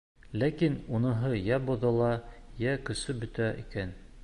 Ләкин уныһы йә боҙола, йә көсө бөтә икән.